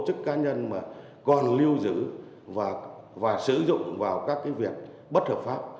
tổ chức cá nhân mà còn lưu giữ và sử dụng vào các cái việc bất hợp pháp